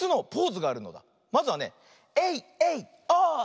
まずはねエイエイオー！